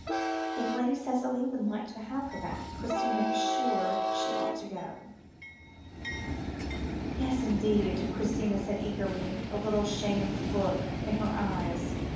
If Lady Cicely would like to have her back, Christina is sure she ought to go." "Yes, indeed," Christina said eagerly, a little shamed look in her eyes.